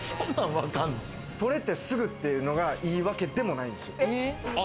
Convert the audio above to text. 取れてすぐっていうのが良いわけでもないんです。